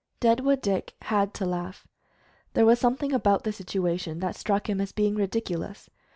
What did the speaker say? Deadwood Dick had to laugh. There was something about the situation that struck him as being ridiculous.